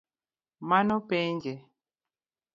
Ma nopenje